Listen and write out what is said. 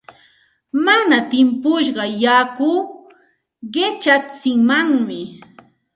Mana timpushqa yaku qichatsimanmi.